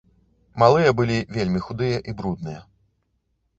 Малыя былі вельмі худыя і брудныя.